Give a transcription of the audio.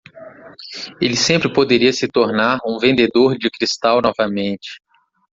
Ele sempre poderia se tornar um vendedor de cristal novamente.